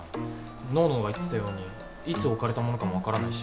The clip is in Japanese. ノーノが言ってたようにいつ置かれたものかも分からないし。